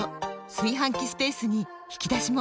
炊飯器スペースに引き出しも！